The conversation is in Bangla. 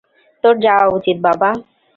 তোর যাওয়া উচিত, বাবা।